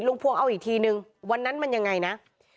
พวงเอาอีกทีนึงวันนั้นมันยังไงนะ